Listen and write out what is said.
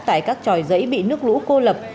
tại các tròi dãy bị nước lũ cô lập